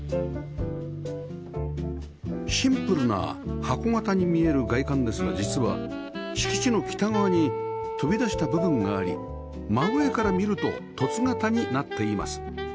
シンプルな箱形に見える外観ですが実は敷地の北側に飛び出した部分があり真上から見ると凸形になっています